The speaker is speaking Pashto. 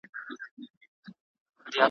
ددېسيمو اولسونو حافظي